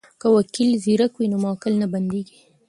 که وکیل زیرک وي نو موکل نه بندی کیږي.